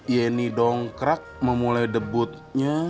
yeni dongkrak memulai debutnya